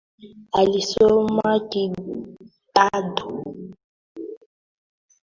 alisoma kidato cha na sita shule ya sekondari tanga